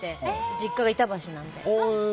実家が板橋なので。